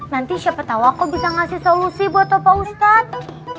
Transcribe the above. nanti siapa tahu aku bisa ngasih solusi buat apa ustadz